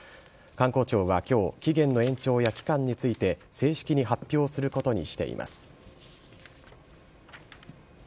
観光庁は今日期限の延長や期間について正式に発表することにしています。